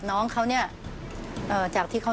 สวัสดีครับ